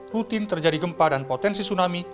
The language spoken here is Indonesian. rutin terjadi gempa dan potensi tsunami